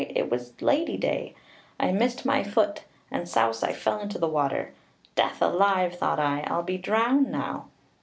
it was Lady day I missed my foot, and souse I fell into the water. 'Death alive!' thought I, 'I'll be drowned now!'